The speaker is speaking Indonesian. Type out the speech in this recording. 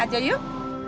gak usah nya makasih